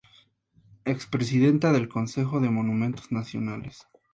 Ex-Presidenta del Consejo de Monumentos Nacionales.